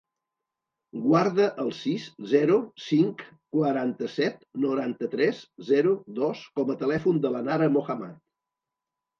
Guarda el sis, zero, cinc, quaranta-set, noranta-tres, zero, dos com a telèfon de la Nara Mohammad.